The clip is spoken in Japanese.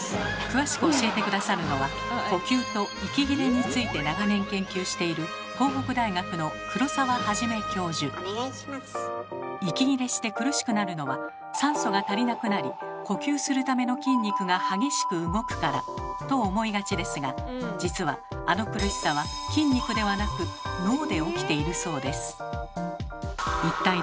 詳しく教えて下さるのは呼吸と息切れについて長年研究している息切れして苦しくなるのは「酸素が足りなくなり呼吸するための筋肉が激しく動くから」と思いがちですが実はあの苦しさは筋肉ではなく脳で起きているそうです。